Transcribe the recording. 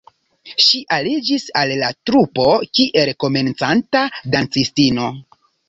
Ŝi aliĝis al la trupo, kiel komencanta dancistino.